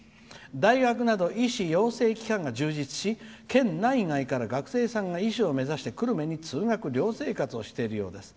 大学など医師養成機関が充実し、県内外から学生さんが医師を目指し久留米に通学寮生活をしているようです。